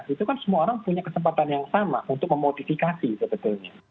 itu kan semua orang punya kesempatan yang sama untuk memodifikasi sebetulnya